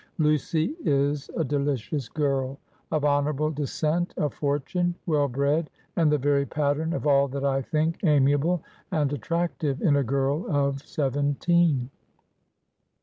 Lucy is a delicious girl; of honorable descent, a fortune, well bred, and the very pattern of all that I think amiable and attractive in a girl of seventeen."